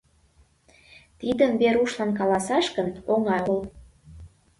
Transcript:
Тидым Верушлан каласаш гын, оҥай огыл.